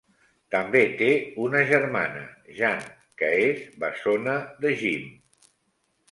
També, té una germana, Jan, que és bessona de Jim.